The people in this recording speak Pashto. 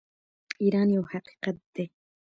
ایران یو حقیقت دی.